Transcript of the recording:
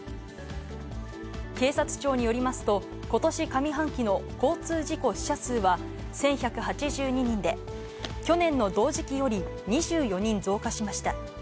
警察庁によりますと、ことし上半期の交通事故死者数は１１８２人で、去年の同時期より２４人増加しました。